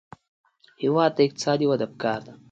هېواد ته اقتصادي وده پکار ده